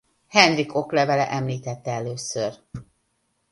Henrik oklevele említette először.